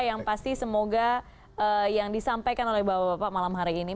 yang pasti semoga yang disampaikan oleh bapak bapak malam hari ini